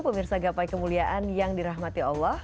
pemirsa gapai kemuliaan yang dirahmati allah